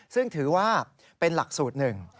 ซึ่งถือว่าเป็นหลักสูตรหนึ่ง